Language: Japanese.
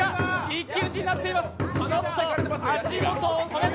一騎打ちになっています。